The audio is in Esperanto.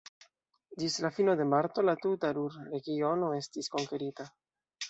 Ĝis la fino de marto la tuta Ruhr-Regiono estis konkerita.